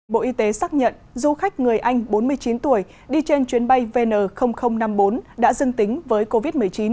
bộ y tế xác nhận du khách người anh bốn mươi chín tuổi đi trên chuyến bay vn năm mươi bốn đã dưng tính với covid một mươi chín